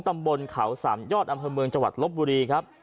ตำบลเขาสามยอดอำเภอเมืองจังหวัดลบบุรีครับ